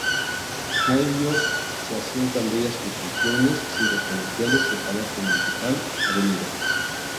En ellos se asientan bellas construcciones, centros comerciales, y el Palacio Municipal, Av.